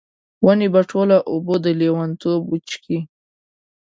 ونې به ټوله اوبه، د لیونتوب وچیښي